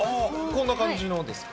こんな感じのですか？